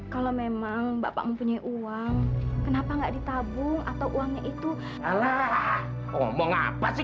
kalau memang bapak mempunyai uang kenapa nggak ditabung atau uangnya itu salah ngomong apa sih